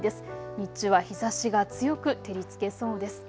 日中は日ざしが強く照りつけそうです。